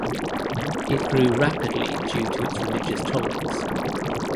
It grew rapidly due to its religious tolerance.